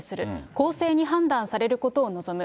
公正に判断されることを望む。